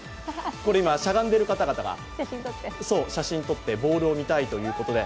今、しゃがんでいる方々が写真撮ってボールを見たいということで。